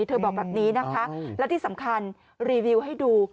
เธอบอกแบบนี้นะคะและที่สำคัญรีวิวให้ดู